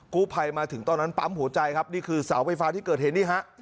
ภัยมาถึงตอนนั้นปั๊มหัวใจครับนี่คือเสาไฟฟ้าที่เกิดเหตุนี่ฮะ